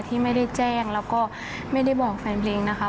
ที่ไม่ได้แจ้งแล้วก็ไม่ได้บอกแฟนเพลงนะคะ